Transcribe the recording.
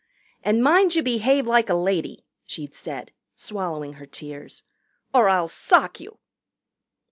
"And mind you behave like a lady," she'd said, swallowing her tears, "or I'll sock you."